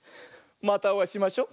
またおあいしましょ。